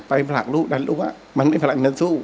ไปผลักลูกดันรู้ว่ามันไม่ผลักดันสู้